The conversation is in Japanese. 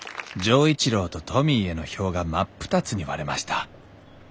錠一郎とトミーへの票が真っ二つに割れました。